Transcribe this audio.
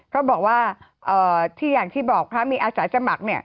เขาบอกว่าอย่างที่บอกมีอาสาสมัครเนี่ย